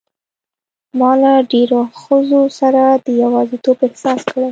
ما له ډېرو ښځو سره د یوازیتوب احساس کړی.